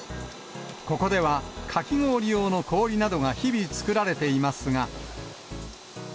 ここではかき氷用の氷などが日々作られていますが。